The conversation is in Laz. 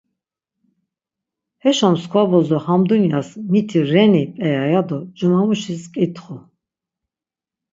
Heşo mskva bozo ham dunyas miti ren-i p̌eya ya do cumamuşis ǩitxu.